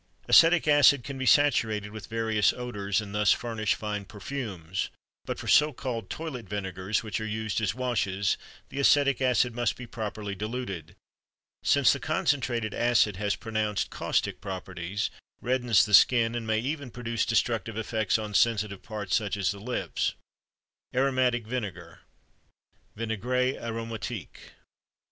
Acetic acid can be saturated with various odors and thus furnish fine perfumes; but for so called toilet vinegars which are used as washes the acetic acid must be properly diluted, since the concentrated acid has pronounced caustic properties, reddens the skin, and may even produce destructive effects on sensitive parts such as the lips. AROMATIC VINEGAR (VINAIGRE AROMATIQUE).